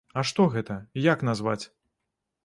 А што гэта, як назваць?